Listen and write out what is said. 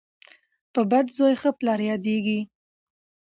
په بد زوی ښه پلار یادیږي.